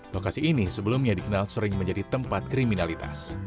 lokasi ini sebelumnya dikenal sering menjadi tempat kriminalitas